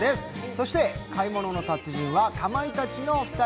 そして「買い物の達人」はかまいたちのお二人。